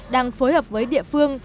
đang phối hợp với địa phương